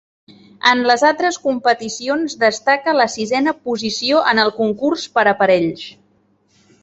En les altres competicions destaca la sisena posició en el concurs per aparells.